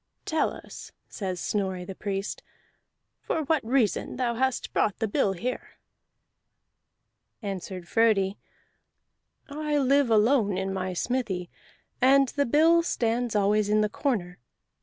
"Tell us," says Snorri the Priest, "for what reason thou hast brought the bill here." Answered Frodi: "I live alone in my smithy, and the bill stands always in the corner.